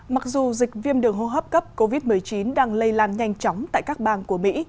mặc dù dịch viêm đường hô hấp cấp covid một mươi chín đang lây lan nhanh chóng tại các bang của mỹ